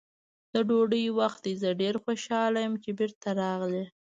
د ډوډۍ وخت دی، زه ډېر خوشحاله یم چې بېرته راغلې.